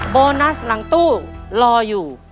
โบนัสหลังตู้รออยู่